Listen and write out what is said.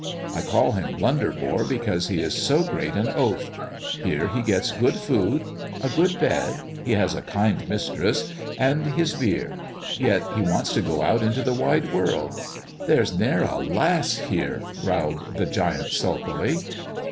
I call him Blunderbore because he is so great an oaf. Here ho gets good food, a good bed, he has a kind mistress, and his beer, yet he wants to go out into the wide world." " There's ne'er a lass here," growled the giant sulkily.